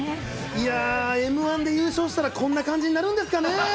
いやー、Ｍー１で優勝したらこんな感じになるんですかね。